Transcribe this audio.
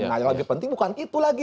nah yang lebih penting bukan itu lagi